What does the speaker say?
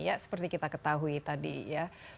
ya seperti kita ketahui tadi ya